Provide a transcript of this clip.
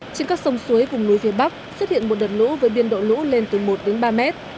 trên các sông suối vùng núi phía bắc xuất hiện một đợt lũ với biên độ lũ lên từ một đến ba mét